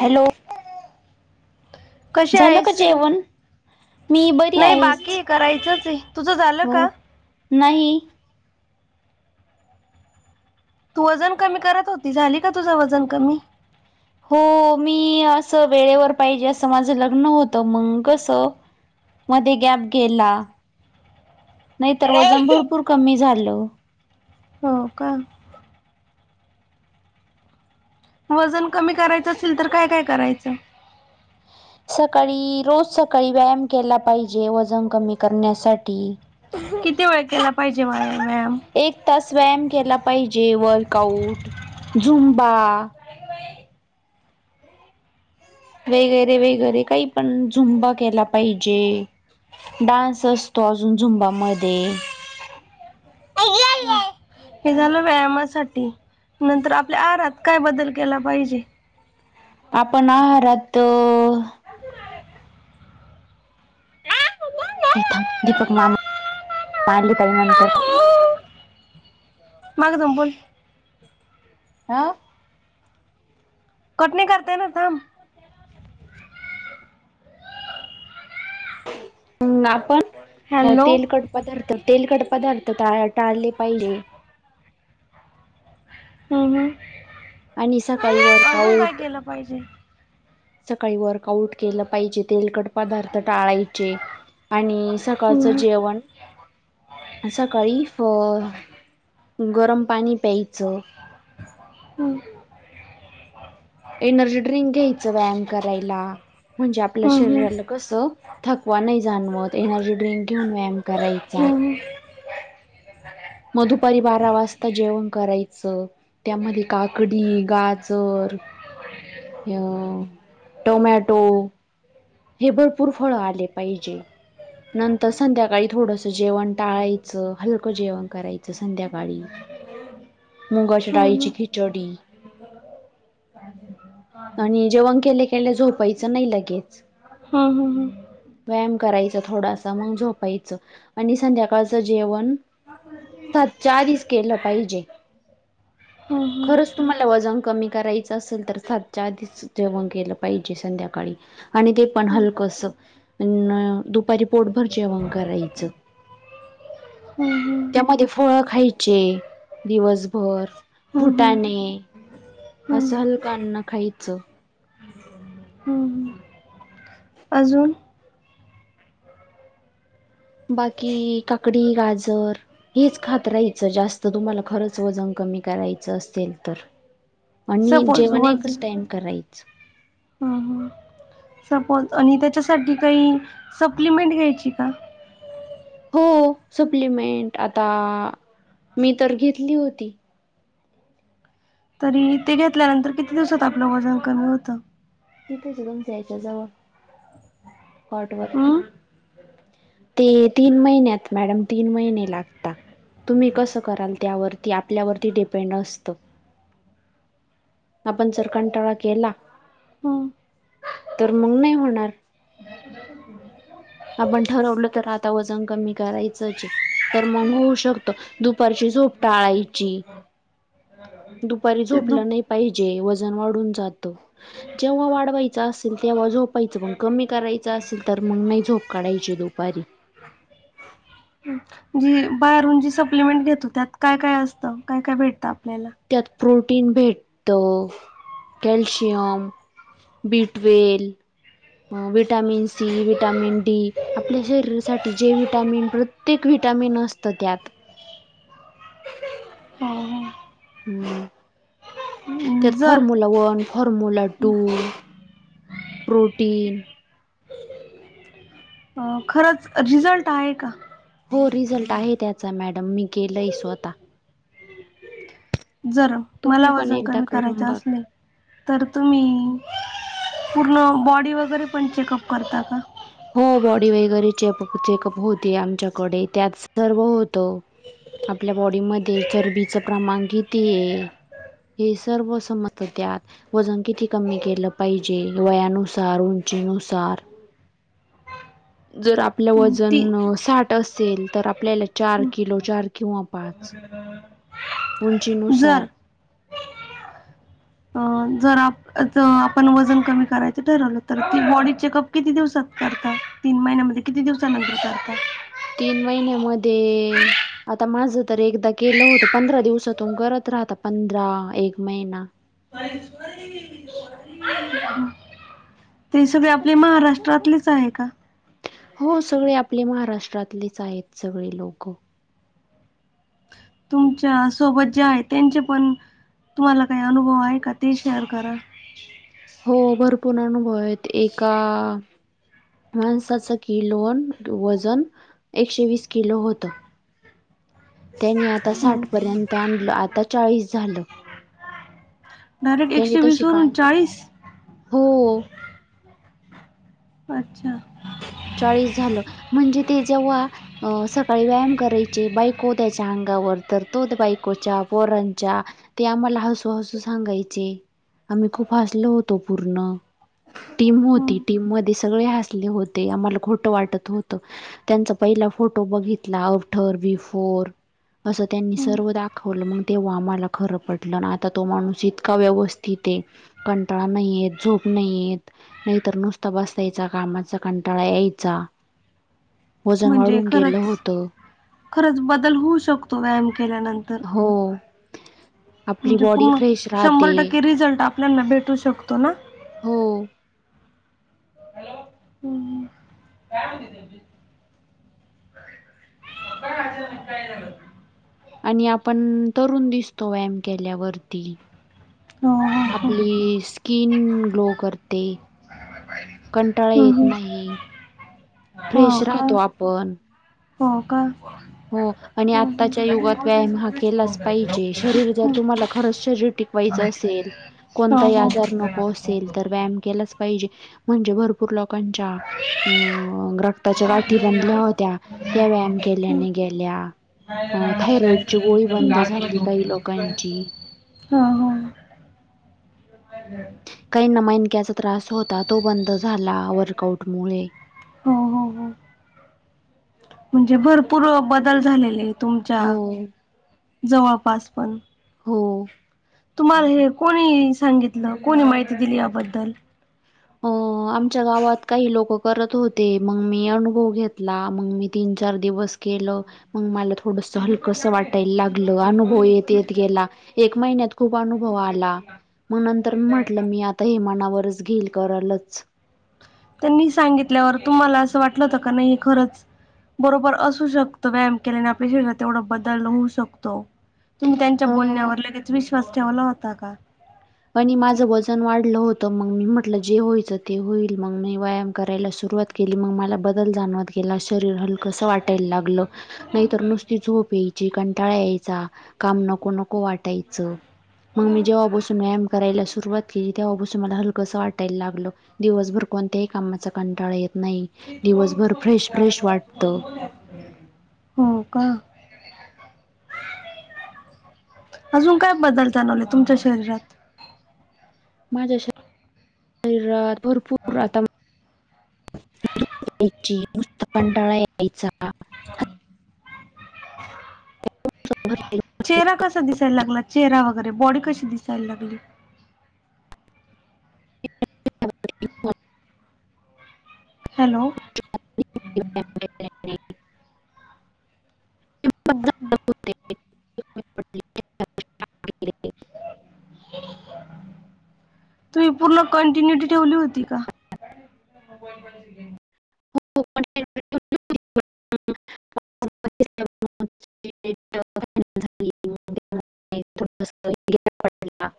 Hello कशी झालं का जेवण? मी बरी होय बाकी आहेच हे करायचंच आहे. तुझं झालं हो का? नाही तू वजन कमी करत होती, झाली का तुझं वजन कमी? हो मी असं वेळेवर पाहिजे असं माझं लग्न होतं मग कसं मध्ये गॅप गेला, नाहीतर वजन भरपूर कमी झालं. हो का वजन कमी करायचं असेल तर काय काय करायचं. सकाळी रोज सकाळी व्यायाम केला. पाहिजे वजन कमी करण्यासाठी किती वेळ केला. पाहिजे मला व्यायाम एक तास वायम केला. पाहिजे वर्कआउट झुंबा वेगैरे वेगैरे काही पण झुंबा केला पाहिजे. डान्स असतो. अजून झुंबामध्ये हे झालं व्यायामासाठी नंतर आपल्या आहरात काय बदल केला पाहिजे. आपण आहारात, ये थांब दीपक मामा [unintelligible] ताई नंतर माग जाऊन बोल हा? कट नाही करत आहे ना? थांब हम् आपण अ हॅलो तेल कट पदार्थ तेलकट पदार्थ टा टाळले पहिले. हम्म हम्म आणि सकाळी वर्कआउट केलं पाहिजे सकाळी वर्क आउट केलं पाहिजे तेलकट पदार्थ टाळायचे आणि सकाळचं हम्म, जेवण सकाळी फ गरम पाणी प्यायचं हम्म एनर्जी ड्रिंक घ्यायचं व्यायाम करायला, म्हणजे आपल्या हम्म, शरीराला कसं थकवा नाही जाणवत एनर्जी ड्रिंक घेऊन व्यायाम करायचा. हम्म, मग दुपारी बारा वाजता जेवण करायचं त्यामध्ये काकडी, गाजर ह [inaudible] अ टोमॅटो, हे भरपूर फळ आले पाहिजे. नंतर संध्याकाळी थोडस जेवण टाळायचं. हलकं जेवण करायचं. [unintelligible] संध्याकाळी हम्म, मुगाच्या हम्म, हम्म, डाळीची खि चडी आणि जेवण केल्या केल्या झोपायचं नाही लगेच हां हां हां व्यायाम करायचा थोडासा मग झोपायचं आणि संध्याकाळचं जेवण सातच्या आधीच केलं पाहिजे हां खरंच तुम्हाला वजन कमी करायचं असेल तर सातच्या आधीच जेवण केलं पाहिजे संध्याकाळी आणि ते पण हम्म. हलकंस अन दुपारी पोटभर जेवण करायचं [inaudible] हम्म त्यामध्ये फळ खायची दिवसभर हम्म, हम्म, फुटाणे असं हम्म, हम्म. हलकं अन्न खायचं. हम्म हम्म अजून बाकी काकडी, गाजर हेच खातरायचं जास्त तुम्हाला खरंच वजन कमी करायचं असेल तर आणि सपोज जेवण एकच टाइम करायचं. हा हा सपोज आणि त्याच्यासाठी काही सप्लिमेंट घ्यायची का? हो, सप्लिमेंट आता, मी तर घेतली होती. तरी ते घेतल्यानंतर, किती दिवसात आपलं वजन कमी होतं? तिथेच आहे तुमच्या याच्या जवळ कॉटवर हम्म ते तीन महिन्यात मॅडम तीन महिने लागता. तुम्ही कसं कराल त्यावरती आपल्यावरती डिपेंड असतं. आपण जर कंटाळा केला हम्म तर मंग नही होणार आपण ठरवलं तर आता वजन कमी करायचंच हे तर मग होऊ शकत दुपारची झोप टाळायची. दुपारी ते दुप झोपलं नही पाहिजे वजन वाढून जात. जेव्हा वाढवायच असेल तेव्हा झोपायचं मग कमी करायचं असेल तर मग नही झोप काढाय ची दुपारी जी बाहेरून जी सप्लिमेंट घेतो त्यात काय काय असतं काय काय भेटतं आपल्याला त्यात प्रोटीन भेटत कॅलशियम, बिटवेल विटॅमिन सी, विटॅमिन डी आपल्या शरीरासाठी जे विटॅमिन प्रत्येक विटॅमिन असत त्यात हो हूं हो त्यात जर formula one formula two protein अ, खरंच रिझल्ट आहे का? हो रिझल्ट आहे त्याचा मॅडम मी केलंय स्वता जर तुम्ही मला पण वजन एकदा कमी करून करायचं बघा असले तर तुम्ही पूर्ण बॉडी वगैरे पण चेकअप करता का? हो बॉडी वगैरे चेपक चेकअप होते आमच्याकडे त्यात सर्व होतं. आपल्या बॉडीमध्ये चरबीचं प्रमाण किती हे? हे सर्व समत त्यात वजन किती कमी केलं पाहिजे वयानुसार, उंचीनुसार [inaudible] जर आपलं ती वजन साठ असेल तर आपल्याला चार किलो चार किंवा पाच जर उंचीनुसार अ जर आपण वजन कमी करायचं ठरवलं तर ती बॉडी चेकअप किती दिवसात करतात तीन महिन्यामध्ये किती दिवसानंतर करतात? तीन महिन्या मध्ये आता माझं तर एकदा केलं होतं पंधरा दिवसा तुन करत राहता पंधरा एक महिना [inaudible] ते सगळे आपले महाराष्ट्रातलेच आहे का? हो सगळे आपले महाराष्ट्रातलेच आहेत सगळे लोक तुमच्या सोबत जे आहे, त्यांचे पण तुम्हाला काही अनुभव आहे का ते शेअर करा. हो भरपूर अनुभव आहेत एका माणसाच किलोन वजन एकशे वीस किलो होतं. त्यांनी आता हम्म. साठपर्यंत आणलं आता चाळीस झालं. डायरेक्ट त्यांनी एकशे वीस तशी वरून काय चाळीस? हो! अच्छा! चाळीस झालं म्हणजे ते जेव्हा अ सकाळी व्यायाम करायचे, बायको त्याच्या अंगावर तर तो बायकोच्या पोरांच्या ते आम्हाला हसू, हसू सांगायचे, आम्ही खूप हसलो होतो पूर्ण. टीम हम्म. होती, टीम मध्ये सगळे हसले होते, आम्हाला खोटं वाटत होत. त्यांचा पहिला फोटो बघितला, आफ्टर बिफोर. असं त्यांनी हम्म. सर्व दाखवलं मग तेव्हा आम्हाला खरं पटलं न आता तो माणूस इतका व्यवस्थित हे. कंटाळा नाही येत, झोप नाही येत, नाहीतर नुसता बसायचा कामा चा कंटाळा यायचा. वजन म्हणजे वाढून गेलं खरच, होतं. खरच बदल होऊ शकतो व्यायाम केल्यानंत हो. आपली म्हणजे बॉडी पूर्ण फ्रेश शंभर राहते टक्के रिझल्ट आपल्याना भेटू शकतो ना हो. हम् [unintelligible] [unintelligible] आणि आपण तरुण दिसतो व्यायाम केल्यावरती हो आपली स्किन ग्लो करते. कंटाळा हो हो येत हम्म. नाही हो फ्रेश का राहतो आपण हो का हो आणि हम्म, हम्म, आताच्या युगात व्यायाम हा केलाच पाहिजे शरीर जर हम्म. तुमला खरच शरीर टिकवायचेअसेल कोण हो हो आजार हो असेल तर व्यायाम केलाच पाहिजे म्हणजे भरपूर लोकांच्या अं रक्ताच्या गाठी बनल्या होत्या त्या व्यायाम केल्याने गेल्या थायरॉइड गोळी बंद झाली काही लोकांची हा हा [unintelligible] काही ना मणक्याचा त्रास होता तो बंद झाला वर्कआउट मु हो हो हो म्हणजे भरपूर बदल झालेले तुमच्या हो जवळपास पण हो तुम्हाला हे कोणी सांगितलं कोणी माहिती दिली याबद्दल हो ग आमच्या गावात काही लोक करत होते मग मी अनुभव घेतला मग मी तीन चार दिवस केलं मग मला थोडस हलकंसं वाटायला लागलं अनुभव येत येत गेला, एक महिन्यात खूप अनुभव आला. मग नंतर मी म्हटलं मी आता हेमानावरच घेईल करालच त्यांनी सांगितल्यावर तुम्हाला असं वाटलंत का नाही खरंच बरोबर असू शकतो व्यायाम केल्याने आपल्या शरीरात तेवढा बदल होऊ शकतो. तुम्ही त्यांच्या अ बोलण्यावर लगेच विश्वास ठेवला होता का? पण माझं वजन वाढलं होतं मग मी म्हटलं जे व्हायचं ते होईल मग मी व्यायाम करायला सुरुवात केली मग मला बदल जाणवत गेला शरीर हलके कसं वाटायला लागलं नाहीतर नुसती झोप यायची कंटाळा यायचा का नको नको वाटायच मी जेव्हा व्यायाम करायला सुरुवात केली तेव्हापासून मला हलकं वाटायला लागलं. दिवसभर कोणत्याही कामाचा कंटाळा येत नाही. दु दिवसभर फ्रेश फ्रेश उठऽ वाटतं. हो का,, अजून काय बदल जाणवले तुमच्या शरीरात? माझ्या श शरीरात भरपूर आताऽऽ यायची, नुस्त कंडाळा यायचा,, हां, ह चेहरा कसा दिसायला लागला,,? चेहरा वगैरे बॉडी कशी दिसायला लागली? ह हॅलो, [unintelligible] हम ह. [inaudible] तुम्ही पूर्ण कंटिन्युटी ठेवली होती का? [unintelligible] [unintelligible] [unintelligible] थोडस गॅप पडलेलाऽ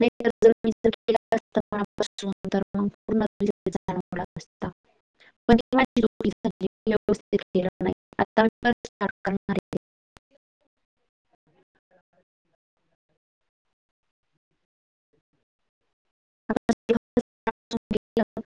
नाही मीून तर पूणऽ [unintelligible] [unintelligible] [unintelligible] सगळं